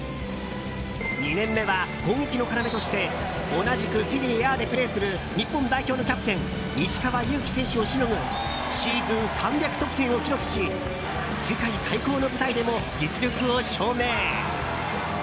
２年目は攻撃の要として同じくセリエＡでプレーする日本代表のキャプテン石川祐希選手をしのぐシーズン３００得点を記録し世界最高の舞台でも実力を証明。